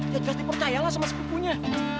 jat jat dipercayalah sama sepupunya